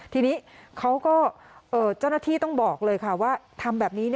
ทีนี้เขาก็เจ้าหน้าที่ต้องบอกเลยค่ะว่าทำแบบนี้